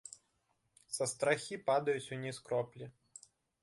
Са страхі падаюць уніз кроплі.